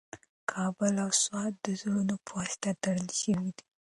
کابل او سوات د زړونو په واسطه تړل شوي دي.